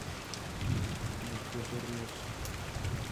La valla no siguió totalmente la frontera y no cruzó ríos.